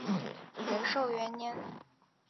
仁寿元年。